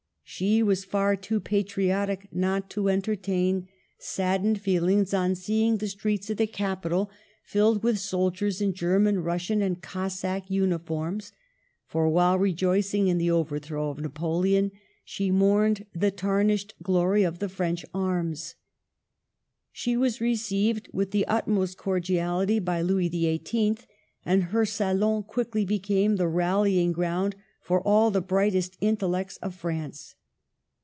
She was far too patriotic not to entertain saddened feel Digitized by VjOOQIC 1 86 MADAME DE STA&L. ings on seeing the streets of the capital filled with soldiers in German, Russian and CoSsack uniforms ; for while rejoicing in the overthrow of Napoleon, she mourned the tarnished glory of the French arms. She was received with the utmost cordiality by Louis XVIII., and her salon quickly became the rallying ground for all the brightest intellects of France.